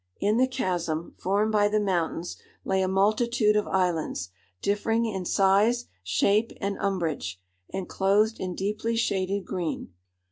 In the chasm, formed by the mountains, lay a multitude of islands, differing in size, shape, and umbrage, and clothed in deeply shaded green.